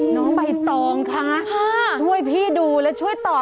น้องใบตองคะช่วยพี่ดูและช่วยต่อ